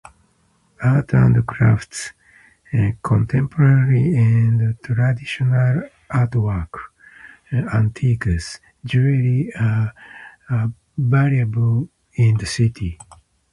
Art and crafts, contemporary and traditional artwork, antiques, jewellery are available in the city.